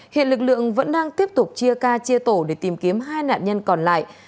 hiện lực lượng vẫn đang tiếp tục chia ca chia tổ để tìm kiếm hai nạn nhân còn lại